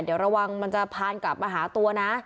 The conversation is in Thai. เดี๋ยวระวังมันจะพานกลับมาหาตัวนะ